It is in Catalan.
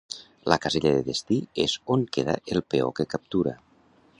La casella de destí és on queda el peó que captura.